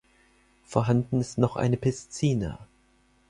Vorhanden ist noch eine Piscina.